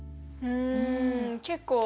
うん。